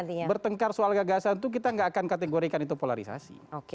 jadi yang bertengkar soal gagasan itu kita gak akan kategorikan itu polarisasi